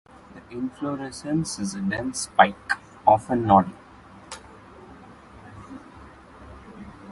The inflorescence is a dense spike, often nodding.